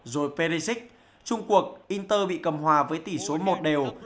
rồi perisic trung quốc inter bị cầm hòa với tỷ số một đều